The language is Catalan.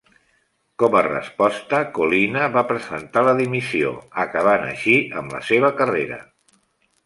Com a resposta, Collina va presentar la dimissió, acabant així amb la seva carrera.